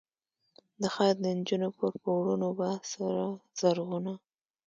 د ښار دنجونو پر پوړونو به، سره زرغونه،